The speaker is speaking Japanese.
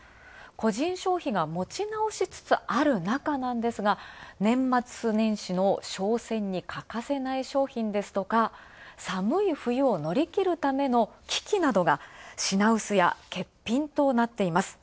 個人消費が持ち直しつつある中なんですが、年末年始の商戦に欠かせない商品ですとか、寒い冬を乗り切るための機器などが品薄や欠品となっています。